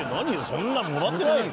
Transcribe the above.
そんなもらってないよ。